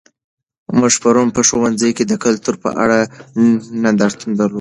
موږ پرون په ښوونځي کې د کلتور په اړه نندارتون درلود.